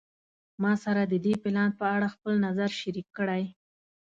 ما سره د دې پلان په اړه خپل نظر شریک کړی